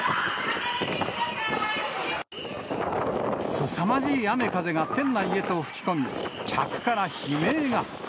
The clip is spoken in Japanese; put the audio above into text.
すさまじい雨風が店内へと吹き込み、客から悲鳴が。